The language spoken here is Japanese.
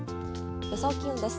予想気温です。